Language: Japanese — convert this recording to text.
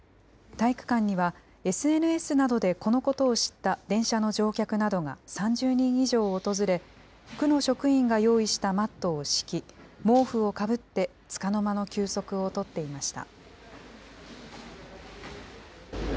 体育館には、ＳＮＳなどでこのことを知った電車の乗客などが３０人以上訪れ、区の職員が用意したマットを敷き、毛布をかぶってつかの間の休息を取っていました。